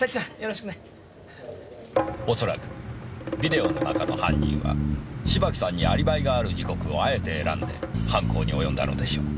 恐らくビデオの中の犯人は芝木さんにアリバイがある時刻をあえて選んで犯行に及んだのでしょう。